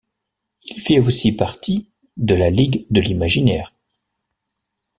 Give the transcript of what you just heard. Il fait aussi partie de la Ligue de l'Imaginaire.